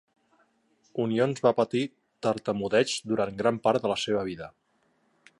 Onions va patir tartamudeig durant gran part de la seva vida.